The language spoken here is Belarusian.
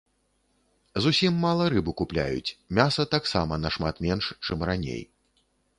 Зусім мала рыбы купляюць, мяса таксама нашмат менш, чым раней.